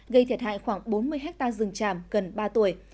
gây thiệt hại khoảng bốn mươi hectare rừng tràm gần ba tuổi